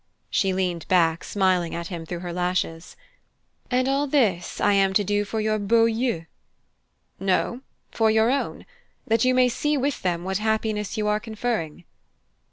She leaned back, smiling at him through her lashes. "And all this I am to do for your beaux yeux?" "No for your own: that you may see with them what happiness you are conferring."